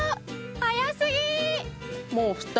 早すぎ！